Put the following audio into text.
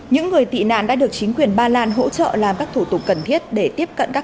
những người tị nạn đã được chính quyền ba lan hỗ trợ làm các thủ tục cần thiết để tiếp cận các